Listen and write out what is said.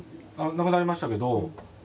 亡くなりましたけど。